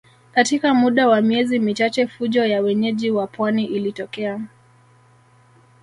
Katika muda wa miezi michache fujo ya wenyeji wa pwani ilitokea